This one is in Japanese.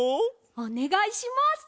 おねがいします！